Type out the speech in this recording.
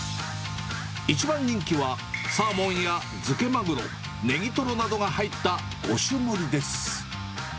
一番人気はサーモンや漬けマグロ、ネギトロなどが入った５種盛りです。